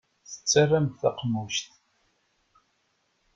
Tettarramt taqemmuct.